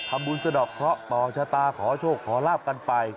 ทำบุญสะดอกเพราะปอชะตาขอโชคขอลาบกันไป